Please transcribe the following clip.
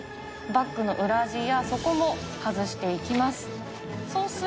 バッグの裏地や底も外していきます。